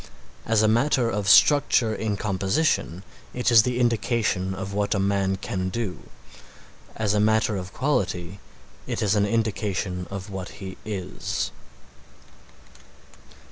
As a matter of structure in composition it is the indication of what a man can do; as a matter of quality it is an indication of what he is.